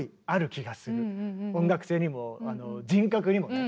音楽性にも人格にもね。